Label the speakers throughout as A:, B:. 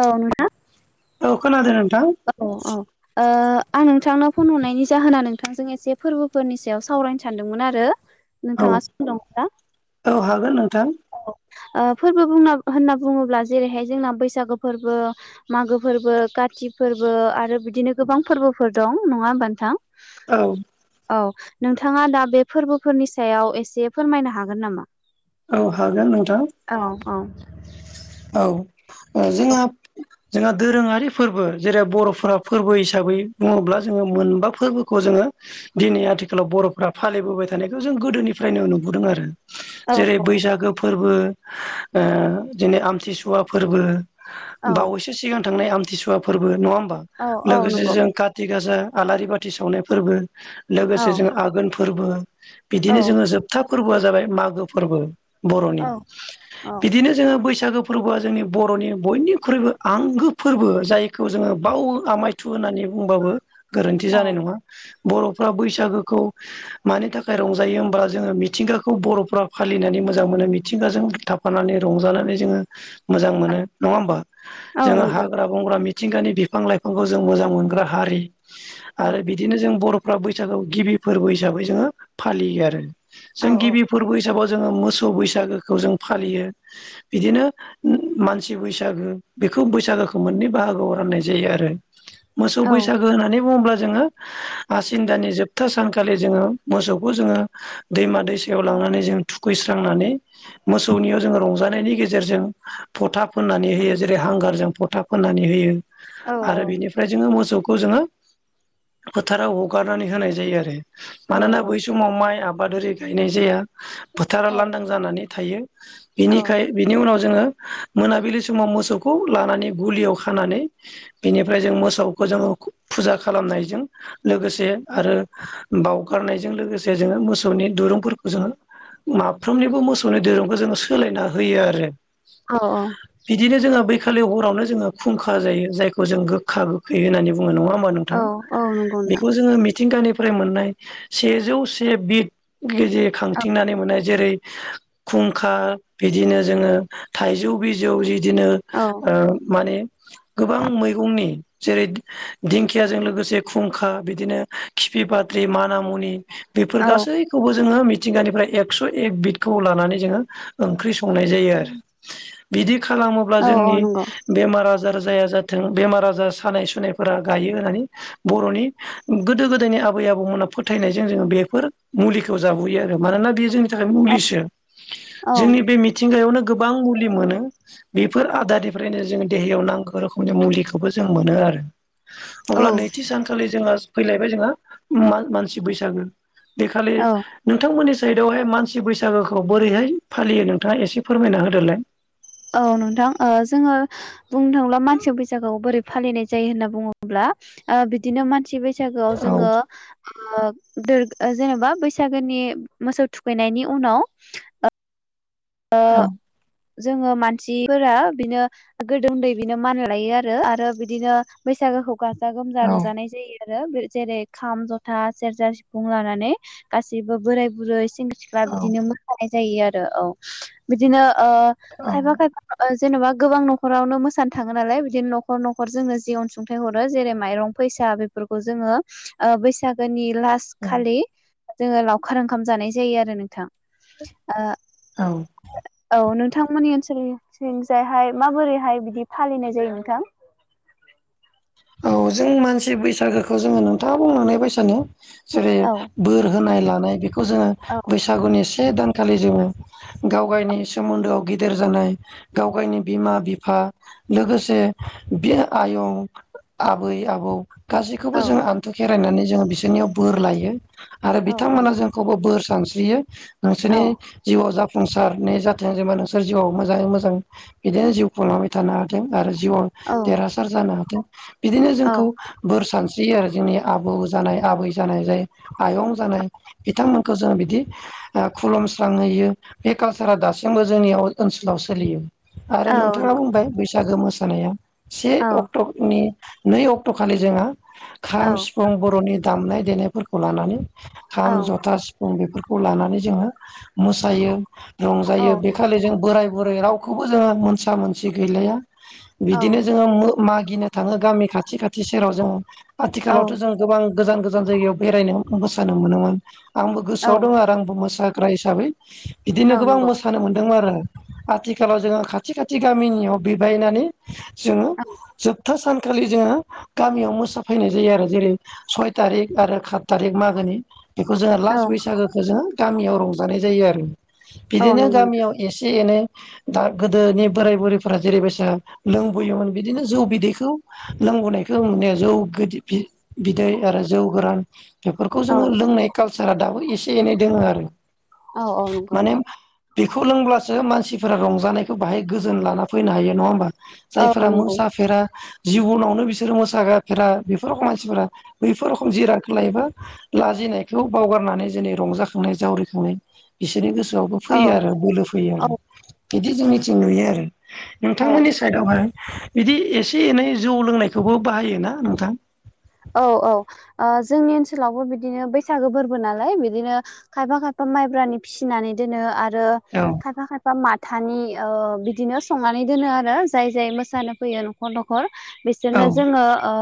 A: औ नोंथां।
B: औ खोनादों ओं।
A: औ औ ओ आं नोंथांनाव फन हरनायनि जाहोना नोंथांजों एसे फोरबोफोरनि सायाव सावरायनो सानदोंमोन आरो।
B: औ
A: नोंथाङा सम दं दा? औ
B: हागोन नोंथां
A: औ। ओ फोरबो बुंना होनना बुङोब्ला जेरैहाय जोंना बैसागो फोरबो, मागो फोरबो, काति फोरबो आरो बिदिनो गोबां फोरबोफोर दं नङा होनबा नोंथां?
B: औ
A: औ नों थाङा दा बे फोरबोफोरनि सायाव एसे फोरमायनो हागोन नामा?
B: औ हागोन नोंथां।
A: औ औ
B: औ ओ जोंहा जोंहा दोरोङारि फोरबो जेरै बर'फोरा फोरबो हिसाबै बुङोब्ला जोङो मोनबा फोरबोखौ जोङो दिनै आथिखालाव बर'फ्रा फालिबोबाय थानायखौ जों गोदोनिफ्रायनो नुबोदों आरो
A: औ
B: जेरै बैसागो फोरबो ओ जेने आमथिसुवा फोरबो
A: औ
B: बावैसो सिगां थांनाय आमथिसुवा फोरबो नङा होमबा
A: औ औ
B: लोगोसे
A: नंगौ
B: जों काति गासा आलारि बाथि सावनाय फोरबो
A: औ
B: लोगोसे जों आघोन फोरबो
A: औ
B: बिदिनो जोङो जोबथा फोरबोआ जाबाय मागो फोरबो बर'नि
A: औ औ
B: बिदिनो जोङो बैसागो फोरबोआ जोंनि बर'नि बयनिख्रुइबो आंगो फोरबो जायखौ जोङो बाव आमायथु होननानै बुंबाबो गोरोन्थि
A: औ
B: जानाय नङा। बर'फ्रा बैसागोखौ मानि थाखाय रंजायो होमबा जोङो मिथिंगाखौ बर'फ्रा फालिनानै मोजां मोनो मिथिंगाजों थाफानानै रंजानानै जोङो। मोजां मोनो नङा होमबा
A: औ
B: जोङो
A: नंगौ
B: हाग्रा बंग्रा मिथिंगानि बिफां लाइफांखौ जों मोजां मोनग्रा हारि
A: औ
B: आरो बिदिनो जों बर' फोरा बैसागुआव गिबि फोरबो हिसाबै जोङो फालियो आरो
A: औ
B: जों गिबि फोरबो हिसाबाव जोङो मोसौ बैसागोखौ जों फालियो बिदिनो मानसि बैसागो बेखौ बैसागोखौ मोननै बाहागोआव राननाय जायो आरो मोसौ
A: औ
B: बैसागो होननानै बुङोब्ला जोङो आसिन दानि जोबथा सानखालि जोङो मोसौखौ जोङो दैमा-दैसायाव लां नानै जों थुखैस्रांनानै मोसौनियाव जोङो रंजानायनि गेजेरजों फथा फोननानै होयो जेरै हांगारजों फथा फोननानै होयो।
A: औ
B: आरो
A: औ
B: बिनिफ्राय जोङो मोसौ जोङो फोथाराव हगारनानै होनाय जायो आरो
A: औ
B: मानोना बै समाव माइ आ बादारि गायनाय जाया फोथारा
A: औ
B: लांदां जानानै थायो
A: औ
B: बिनिखाय बिनि उनाव जोङो मोनाबिलि समाव मोसौखौ लानानै गुलियाव खानानै बेनिफ्राय जों मोसौखौ जोङो फुजा खालामनायजों लोगोसे आरो बाव गारनायजों लोगोसे जोङो मोसौनि दुरुंफोरखौ जोङो माफ्रोमनिबो मोसौनि दिरुंखौ जोंङो सोलायना होयो आरो
A: औ-औ
B: आखालि हरावनो जोङो खुंखा जायो जायखौ जों गोखा गोखै होननानै बुं ङो नङा होमबा
A: औ
B: नोंथां
A: औ नंगौ नोंथां
B: बेखौ जोङो मिथिंगानि मोननाय सेजौ से बिद गेजे
A: औ
B: खांथिंनानै मोननाय जेरै खुंखा बिदिनो जोङो थाइजौ बिजौ बिदिनो
A: औ
B: ओ माने
A: [unintelligible]
B: गोबां मैगंनि जेरै दिंखियाजों लोगोसे खुंखा बिदिनो खिफि पाद्रि मा नामुनि बेफोर
A: औ
B: गासैखौबो जोङो मिथिंगानिफ्राय एकस' एक बिदखौ लानानै जोङो ओंख्रि संनाय जायो आरो बिदि खालामोब्ला
A: औ औ
B: जोंनि
A: नंगौ
B: बेमारा आ जार जाया जाथों बेमार आजार सानाय सुनायफोरा गायो होननानै बर'नि गोदो गोदायनि आबै-आबौमोना फोथायनायजों जोङो बेफोर मुलिखौ जाबोयो आरो मानोना बे जोंनि थाखाय
A: औ
B: मुलिसो
A: औ
B: जोंनि बे मिथिंगायावनो गोबां मुलि मोनो बेफोर आदारनिफ्रायनो जों देहायाव नांगौ रोखोमनि मुलिखौबो जों मोनो आरो।
A: औ
B: अब्ला नैथि सानखालि जोंहा फैलायबाय जोंहा मानसि बैसागो। बेखालि
A: औ
B: नोंथांमोननि साइडआवहाय मानसि बैसागोखौ बोरैहाय फालियो नोंथाङा एसे फोरमायना होदो। [unintelligible]
A: औ नोंथां जोङो बुंनो थाङोब्ला मानसियाव बैसागुखौ बोरै फालिनाय जायो होनना बुङोब्ला। बिदिनो मानसि बैसागोआव जोङो जेनेबा बैसागोनि मोसौ थुखैनायनि उनाव जोङो माने फोरा बिनो [unintelligible] आरो बिदिनो बैसागोखौ गाजा गोमजा रंजानाय जायो। आरो बे जेरै खाम, जथा, सेरजा, सिफुं लानानै गासिबो बोराय बुरै सेंग्रा सिख्ला
B: औ
A: बिदिनो मोसानाय जायो आरो औ, बिदिनो ओ
B: औ
A: खायफा खायफा ओ जेन'बा गोबां न'खरावनो मोसानो थाङो नालाय बिदिनो न'खर न'खर जोंनो जि अनसुंथाइ हरो जेरै माइरं फैसा सा बेफोरखौ जोङो ओ बैसागोनि लास
B: औ
A: खालि जोङो लावखार ओंखाम जानाय जायो आरो नोंथां। ओ
B: औ
A: औ नोंथांमोननि ओनसोल थिंजायहाय माबोरैहाय बिदि फालिनाय जायो नोंथां? [inaudible]
B: औ जों मानसि बैसागोखौ जोङो नोंथाङा बुंलांनाय बायसानो जेरै
A: औ
B: बोर होनाय लानाय बेखौ जोङो
A: औ
B: बैसागुनि से दानखालि जोङो गाव गायनि सोमोन्दोआव गेदेर जानाय गाव गायनि बिमा बिफा आ लोगोसे बे आयं आबै आबौ गासैखौबो
A: औ
B: जोङो आन्थु खेरायनानै जोङो बिसोरनियाव बोर लायो। आरो
A: औ
B: बिथांमोना जोंखौबो बोर सानस्रियो नोंसोरनि
A: औ
B: जिउआव जा फंसारने जाथों। जेनबा नोंसोर जिउआव मोजाङै मोजां बिदिनो जिउ खुंलांबाय थानो हाथों। आरो जिउआव
A: औ
B: देरहासार जानो हाथों बिदिनो जोंखौ बोर सानस्रियो आरो जोंनि आबौ जानाय आबै जानाय जाय आयं जानाय बिथांमोनखौ जोंङो बिदि ओ खुलुमस्राङै बेयो बे कालसारा दासिमबो जोंनियाव ओनसोलाव सोलियो। आरो नोंथाङा बुंबाय बैसागो मोसानाया से अक्ट'नि नै अक्ट' खालि जोंहा खाम
A: औ
B: सिफुं बर'नि दामनाय देनायफोरखौ लानानै खाम, जथा, सिफुं बेफोरखौ लानानै जोङो मोसायो। रंजायो। बेखालि जों बोराय बुरै रावखौबो जोङो मोनसा मोनसि गैलाया बिदिनो जोङो मो मागिनो थाङो गामि खाथि खाथ थि सेराव जों। आथिखालावथ' जों गोबां गोजान गोजान जायगायाव बेरायनो मोसानो मोनोमोन आं बो
A: औ
B: गोसोआव दङ आरो। आंबो मोसाग्रा हिसाबै बिदिनो
A: औ
B: गोबां
A: नंगौ
B: मोसानो मोन्दों मारो। आथिखालाव जोङो खाथि खाथि गामिनियाव बिबायनानै जोङो जोब ओ सानखालि जोङो गामियाव मोसाफैनाय जायो आरो जेरै सय थारिक आरो खाथ थारिख मागोनि बेखौ जोङो
A: औ
B: लास बैसागोखौ जोङो गामियाव रंजानाय जायो आरो।
A: औ नंगौ औ
B: बिदिनो
A: नंगौ नोंथां
B: गामियाव एसे एनै दा गोदोनि बोराय बुरैफोरा जेरैबायसा लोंबोयोमोन बिदिनो जौ बिदै खौ लोंबोनायखौ नुनाया जौ गोदि बि-बिदै आरो जौ गोरान एफोरखौ
A: औ
B: जोङो लोंनाय कालसारा दाबो एसे एनै दोङो आरो।
A: औ औ नंगौ
B: माने
A: नोंथां
B: बेखौ लोंब्लासो मास सिफोरा रंजानायखौ बाहाय गोजोन लाना फैनो हायो नङा होमबा।
A: औ
B: जायफोरा
A: नंगौ
B: मोसाफेरा जिबनावनो बिसोरो मोसागाफेरा बेफोर मानसिफोरा बैफोर र'खम जिरादखौ लायोबा लाज जिनायखौ बावगारनानै जेनि रंजाखांनाय जावरिखांनाय बिसोरनि गोसो सोआवबो
A: औ
B: फैयो आरो बोलो फैयो
A: औ
B: आरो, बिदि जों निथिं नुयो आरो।
A: औ
B: नोंथांमोननि सायदावहाय बिदि एसे एनै जौ लोंनायखौबो बाहायो ना नोंथां?
A: औ औ ओ जोंनि ओनसोलावबो बिदिनो बैसागो फोरबो नालाय बिदिनो खायफा खायफा माइब्रानि फिनानै दोनो आरो
B: औ
A: खायफा खायफा माथानि ओ बिदिनो संनानै दोनो आरो जाय जाय मोसानो फैयो न'खर न'खर
B: औ
A: बिसोरनो जोङो ओ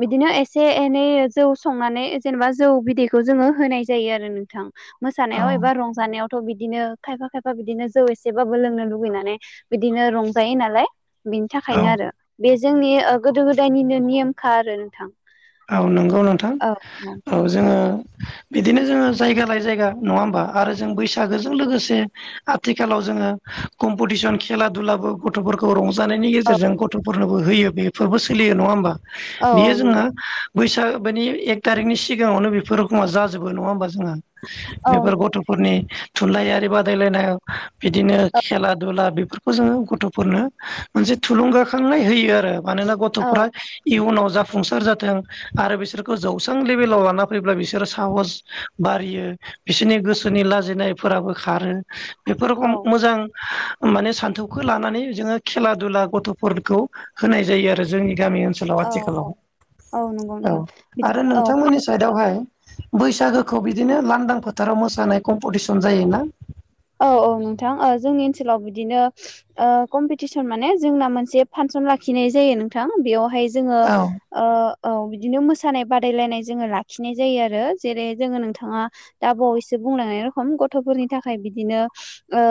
A: बिदिनो एसे एनै जौ संनानै जेनेबा जौ बिदैखौ जोङो होनाय जायो आरो नोंथां।
B: औ
A: मोसानायाव एबा रंजानायावथ बिदिनो खायफा खायफा बिदिनो जौ एसेबाबो लोंनो लुुबैनानै बिदिनो रंजायो नालाय। बिनि
B: औ
A: थाखायनो आरो बे जोंनि ओ गोदो गोदायनिनो नेमखा आरो नोंथां।
B: औ नंगौ नोंथां। औ जोङो बिदिनो जोङो जायगा लायै जायगा नङा होमबा? आरो जों बैसागोजों लोगोसे आथिखालाव जोङो कम्पिटिसन खेला दुलाबो गथफोरखौ रंजानायनि गेजेरजों गथफोरनोबो होयो बेफोरबो सोलियो। नङा होमबा
A: औ औ नंगौ
B: बैसागोनि एक थारिकनि सिगाङावनो बेफोर रखमा जाजोबो नङा होमबा
A: औ
B: बेफोर
A: नंगौ
B: गथफोरनि थुनलाइयारि बादायलायनाय बिदिनो
A: औ
B: खेला दुला बेफोरखौ जोङो गथफोरनो मोनसे थुलुंगाखांनाय होयो आरो मानोना
A: औ
B: गथफोरा इयुनाव जाफुंसार जाथों आरो बिसोरखौ जौस्रां लेभेलाव लाना फैब्ला बिसोरो साहस बारियो बिसोरनि गोसोनि लाजिनायफोराबो खारो बेफोरखौ
A: औ
B: मोजां माने सान्थौखौ लानानै जोङो खेला दुला गथफोरखौ होनाय जायो आरो जोंनि गामि ओनसोलाव
A: औ औ नंगौ
B: आथिखालाव औ
A: नोंथां
B: आरो
A: बिदिनो औ
B: नोंथांमोननि साइदावहाय बैसागोखौ बिदिनो लांदां फोथाराव मोसानाय कम्पिटिसन जायोना
A: औ औ नोंथां ओ जोंनि ओनसोलाव बिदिनो ओ कम्पिटिसन माने जोंना मोनसे फान- सन लाखिनाय जायो नोंथां बेवहाय जोङो
B: औ
A: ओ औ बिदिनो मोसानाय बादायलायनाय जोङो लाखिनाय जायो आरो जेरै जोङो नोंथाङा दा बावैसो बुंलनानै रखम गथ फोरनि थाखाय बिदिनो ओ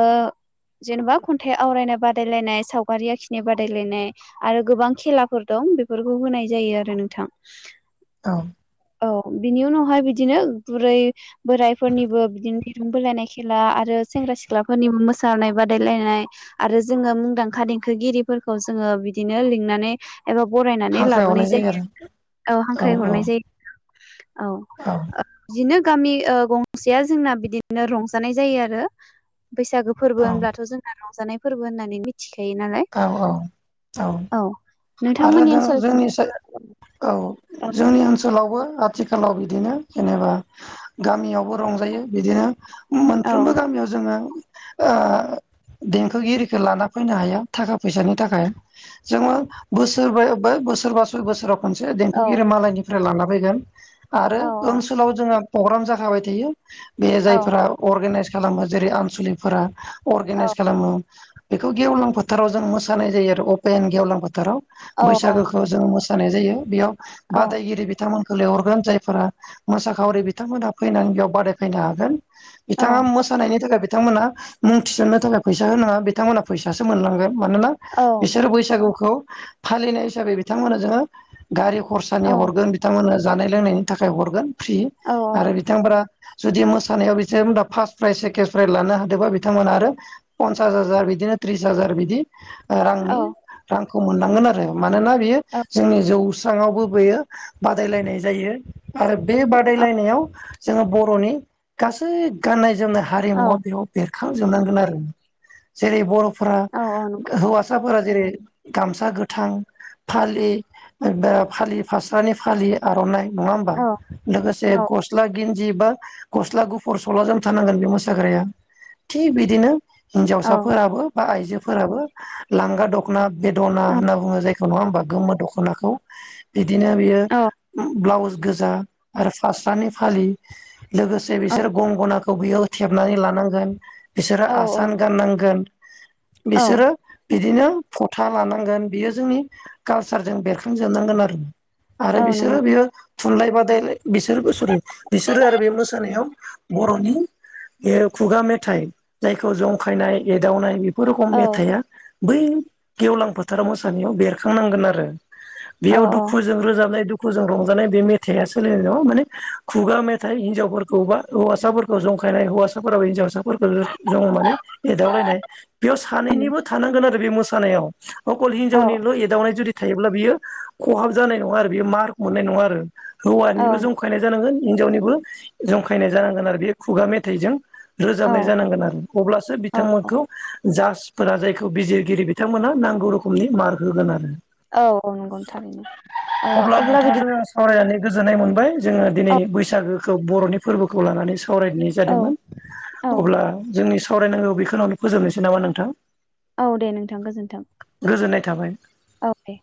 A: जेनबा खन्थाइ आवरायनाय बादायलायनाय सावगारि आखिनाय बादायलायनाय आरो गोबां खेलाफोर दं बेफोरखौ होनाय जायो आरो नोंथां
B: औ
A: औ बिनि उनावहाय बिदिनो बुरै बोरायफोरनिबो बिदिनो दिरुं बोलायनाय खेला आरो सेंग्रा सिख्लाफोरनिबो मोसानाय बादायलायनाय आरो जोङो मुंदांखा देंखोगिरिफोरखौ जोङो बिदिनो लिंनानै एबा बरायनानै
B: हाग्रा
A: लाबोनाय
B: एवनाय
A: जायो
B: आरो
A: औ हांख्रायहरनाय जायो औ बिदिनो गामि ओ गंसेया जोंना बिदिनो रंजानाय जायो आरो बैसागो फोरबो
B: औ
A: होनब्लाथ जोंना रंजानाय फोरबो होननानै मिथियो
B: औ औ औ आरो
A: नोंथांमोननि
B: दा
A: ओनसोलथिं
B: जोंनि से औ
A: औ
B: जोंनि ओनसोलावबो आथिखालाव बिदिनो जेनेबा गामियावबो रंजायो बिदिनो
A: औ
B: मोनफ्रोमबो गामियाव जोङो ओ देंखोगिरिखो लाना फैनो हायो थाखा फैसानि थाखाय जोङो बोसोरबो- बोसोरबा सय बोसोराव मोनसे
A: औ
B: देंखोगिरि मालायनिफ्राय लाना फैगोन आरो
A: औ
B: ओनसोलाव जोंहा प्रग्राम जाखाबाय थायो बे
A: औ
B: जायफोरा अर्गेनाइस खालामो जेरै आनसलिकफोरा अर्गेनाइस खालामो बेखौ गेवलां फोथाराव जों मोसानाय जायो आरो अपेन गेवलां फोथाराव
A: औ औ
B: बैसागोखौ जों मोसा नाय जायो बेयाव
A: औ
B: बादायगिरि बिथांमोनखौ लेंहर गोन जायफोरा मोसाखावरि बिथांमोनहा फैनानै बेयाव बादायफैनो हागोन
A: औ
B: बिथाङा मोसानायनि थाखाय बिथांमोना मुं थिसननो थाखाय फैसा होनाङा बिथांमोना फैसासो मोनलाङो मानोना बिसोर बैसागुखौ फालिनाय हिसाबै बिथांमोना जोङो गारि
A: औ
B: खरसानि हरगोन बिथांमोननो जानाय लोंनायनि थाखाय हरगोन फ्रि
A: औ
B: आरो बिथांफोरा जुदि मोसानायाव बिसोर फार्स्ट प्राइज सेकेणड प्राइज लानो हादोंबा बिथांमोना आरो पन्सास हाजार बिदि त्रिस हाजार बिदि
A: औ
B: रांनि रांखौ मोननांगोन आरो मानोना बेयो
A: औ
B: जोंनि जौ स्राङावबो बेयो बादायलायनाय जायो आरो बे बादायलायनायाव जोङो बर'नि गासै गाननाय जोंनि
A: औ
B: हारिमुवा बेयाव बेरखांजोबनांगोन आरो जेरै बर'फोरा औ आसाफोर ज रै गामसा गोथां फालि फालि फास्रानि फालि आर'नाइ नङा होमबा
A: औ
B: लोगोसे
A: औ
B: गस्ला गन्ज बा गस्ला गुफुर सला ज थानांगोन बे मोसाग्राया थिग बिदिनो
A: औ
B: हिनजावसाफोराबो बा आइजोफोराबो लांगा दख'ना बेद'ना होनना बुङो जाय द नङा होमबा गोमो दख'नाखौ बिदिनो बेयो
A: औ
B: ब्लाउस गोजा आरो फास्रानि फालि लोगोसे बिसोर गंगोना खौ बेयाव थेबनानै लानांगोन बिसोरो
A: औ
B: आसान गाननांगोन
A: औ
B: बिसोरो बिदिनो फथा लानांगोन बियो जोंनि कालसारजों बेरखांजोबनांगोन आरो आरो
A: औ नंगौ
B: बिसोरो बियो थुनलाइ बाद [unintelligible] बिसोरबो सरि बिसोरो आरो बे मोसानायाव बर'नि बे खुगा मेथाइ जायखौ जंखायनाय एदावनाय बे फोर रखम
A: औ
B: मेथाया बै गेवलां फोथाराव मोसानायाव बेरखांनांगोन आरो बेयाव
A: औ औ
B: दुखुजों रोजाबनाय दु खुजों रंजानाय बे मेथाया सोलिनाय नङा माने खुगा मेथाइ हिनजावफोरखौ बा हौवासाफोरखौ जं खायनाय हौवासाफोराबो हिनजावसाफोरखौ जं माने एदावलायनाय बेयाव सानैनिबो
A: औ
B: थानांगोन आरो बे मोसानायाव। अकल हिनजावनिल' एदावनाय जुदि थायोब्ला बियो खहाब जानाय नङा आरो बेयो मार्क मोननाय नङा आरो हौवानिबो जंखायनाय जानांगोन हिनजावनिबो जंखायनाय जानांगोन आरो बे खुगा मेथाइजों
A: औ
B: रोजाबनाय जानांगोन आरो अब्लासो बिथांमोनखौ जासफोरा जायखौ बिजिरगिरि बिथांमोनहा नांगौ रोखोमनि मार्क होगोन आरो
A: औ नंगौ नोंथां नंगौ ओ अब्ला बिदि
B: नोंथांजों आं सावरायनानै गोजोननाय मोनबाय जोङो
A: औ
B: दिनैनि बैसागोखौ बर'नि फोरबोखौ लानानै सावरायनाय
A: औ
B: जादोंमोन।
A: औ
B: अब्ला जोंनि सावरायनांगौ बेखिनावनो फोजोबनोसै नामा नोंथां?
A: औ दे नोंथां गोजोन्थों।
B: गोजोननाय थाबाय
A: औे दे।